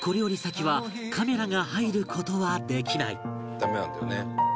「ダメなんだよね。